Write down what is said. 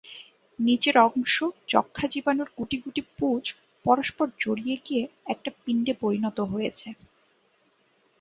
নিচের অংশ যক্ষ্মা-জীবাণুর গুটিগুটি পুঁজ পরস্পর জড়িয়ে গিয়ে একটা পিণ্ডে পরিণত হয়েছে।